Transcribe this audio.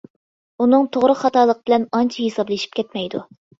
ئۇنىڭ توغرا-خاتالىقى بىلەن ئانچە ھېسابلىشىپ كەتمەيدۇ.